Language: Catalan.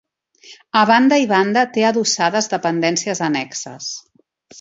A banda i banda té adossades dependències annexes.